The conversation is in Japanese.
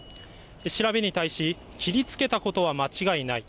調べに対し、切りつけたことは間違いない。